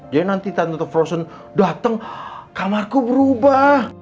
jadi nanti tante frozen datang kamarku berubah